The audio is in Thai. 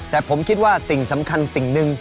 แต่ผมคิดว่าสิ่งสำคัญสิ่งหนึ่ง